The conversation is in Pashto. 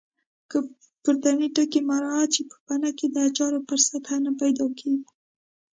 که پورتني ټکي مراعات شي پوپنکې د اچار پر سطحه نه پیدا کېږي.